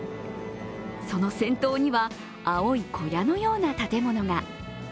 その先頭には青い小屋のような建物が。